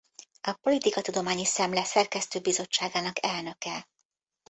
A Politikatudományi Szemle szerkesztőbizottságának elnöke.